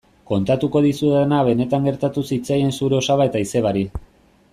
Kontatuko dizudana benetan gertatu zitzaien zure osaba eta izebari.